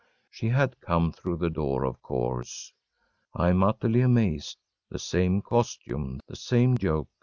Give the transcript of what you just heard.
She had come through the door, of course. I am utterly amazed. The same costume. The same joke.